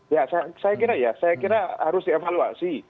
ya saya kira ya saya kira harus dievaluasi